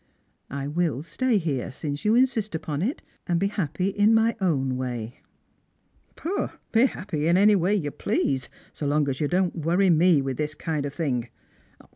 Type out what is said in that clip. I will stay here, since you insist upon it, and be happy in my own way." " Be happy any way you please, so long as you don't worry me with this kind of thing.